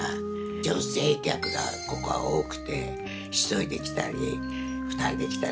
女性客がここは多くて１人で来たり２人で来たり。